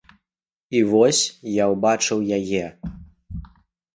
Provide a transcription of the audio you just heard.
І вось я ўбачыў яе.